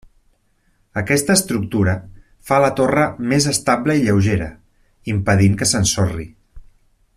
Aquesta estructura fa la torre més estable i lleugera, impedint que s'ensorri.